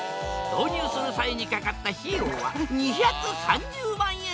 導入する際にかかった費用は結構すんだな。